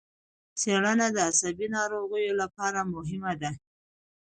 څېړنه د عصبي ناروغیو لپاره مهمه ده.